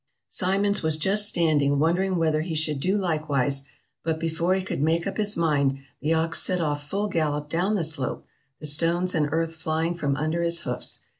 Simmons was just standing wondering whether he should do likewise, but before he could make up his mind, the ox set off full gallop down the slope, the stones and earth flying from under its hoofs.